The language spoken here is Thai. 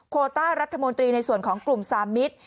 โคต้ารัฐมนตรีในส่วนของกลุ่มสามมิตร